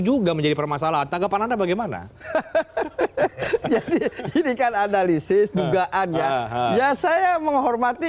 juga menjadi permasalah tanggapan anda bagaimana hidupkan analisis dugaannya ya saya menghormati